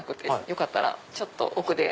よかったらちょっと奥で。